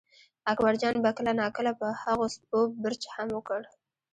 اکبرجان به کله ناکله په هغو سپو بړچ هم وکړ.